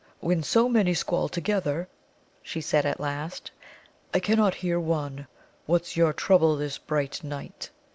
"When so many squall together," she said at last, "I cannot hear one. What's your trouble this bright night?"